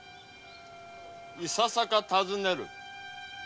いささか尋ねる。